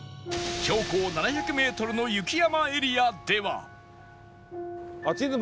標高７００メートルの雪山エリアでは